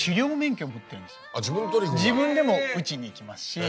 自分でも撃ちに行きますし。